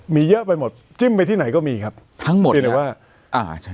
มีเยอะไปหมดจิ้มไปที่ไหนก็มีครับทั้งหมดเพียงแต่ว่าอ่าใช่